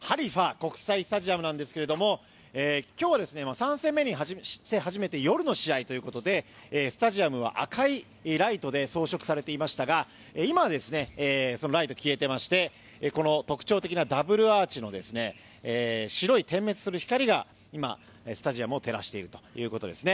国際スタジアムですが今日は３戦目にして初めて夜の試合ということでスタジアムは赤いライトで装飾されていましたが今はそのライト、消えてましてこの特徴的なダブルアーチの白い点滅する光が今、スタジアムを照らしているということですね。